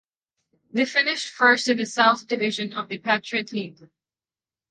They finished first in the south division of the Patriot League.